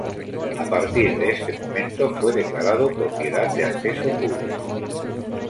A partir de este momento fue declarado propiedad de acceso público.